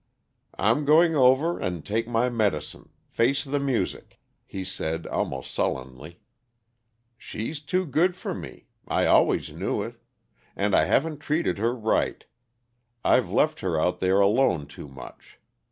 "I'm going over and take my medicine face the music," he said almost sullenly, "She's too good for me I always knew it. And I haven't treated her right I've left her out there alone too much.